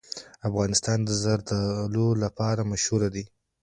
افغانستان د زردالو لپاره مشهور دی.